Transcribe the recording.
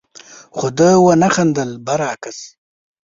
خو ده ونه خندل، برعکس،